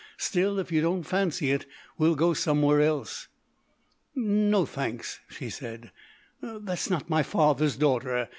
Still, if you don't fancy it, we'll go somewhere else." "No, thanks," she said. "That's not my father's daughter.